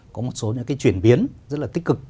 có một số những cái chuyển biến rất là tích cực